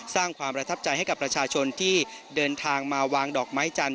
สร้างความประทับใจให้กับประชาชนที่เดินทางมาวางดอกไม้จันท